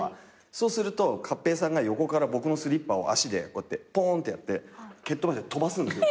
そうすると勝平さんが横から僕のスリッパを足でこうやってポーンってやって蹴っ飛ばして飛ばすんですよ。